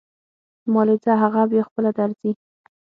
مالې ځه اغه بيا خپله درځي.